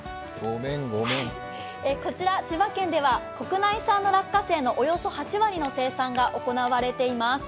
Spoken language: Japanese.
こちら千葉県では国内産の落花生のおよそ８割の生産が行われています。